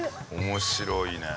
面白いね。